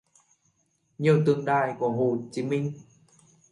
nhiều tượng đài của Hồ Chí Minh